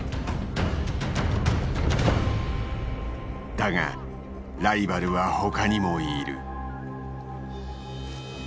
だがライバルは他にもいる。